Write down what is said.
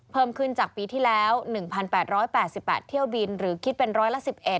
เพิ่มขึ้นจากปีที่แล้ว๑๘๘เที่ยวบินหรือคิดเป็นร้อยละ๑๑